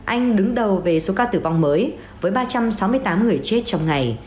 anh đứng đầu về số ca tử vong mới với ba trăm sáu mươi tám người chết trong ngày